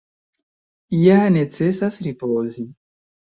Ja necesas ripozi.